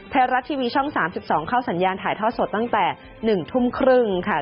ท้ายรัดทีวีช่อง๓๒เข้าสัญญาณถ่ายท่อสด๑ทุ่มครึ่งค่ะ